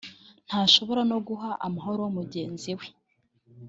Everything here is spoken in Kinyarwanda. ntashobora no guha amahoro mugenzi we